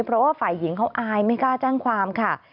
เพราะว่าฝ่ายหญิงเขาอายไม่กล้าแจ้งความค่ะ